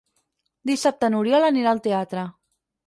Dissabte n'Oriol anirà al teatre.